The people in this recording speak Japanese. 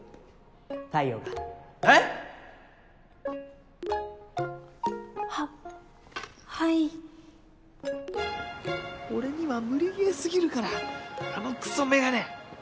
太陽がえっ⁉ははい俺には無理ゲー過ぎるからあのクソメガネ！